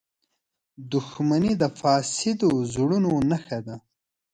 • دښمني د فاسدو زړونو نښه ده.